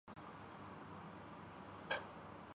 داعش سے تیل خرینے والوں میں ایک تو خود بشار کی حکومت ہے